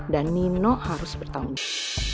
dan nino harus bertanggung jawab